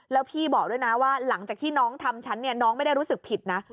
แล้วพี่บอกด้วยนะว่าหลังจากที่น้องทำฉันเนี่ยน้องไม่ได้รู้สึกผิดนะ